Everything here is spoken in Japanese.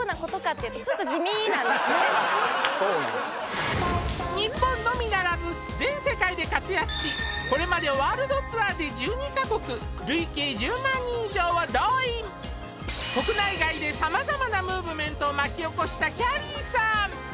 考えてくれたんすかお嬉しいなんですけど日本のみならず全世界で活躍しこれまでワールドツアーで１２か国累計１０万人以上を動員国内外で様々なムーブメントを巻き起こしたきゃりーさん